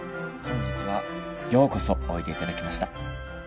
本日はようこそおいでいただきました。